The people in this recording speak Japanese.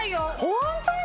ホントに？